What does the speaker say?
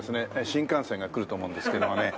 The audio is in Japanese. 新幹線が来ると思うんですけどもね。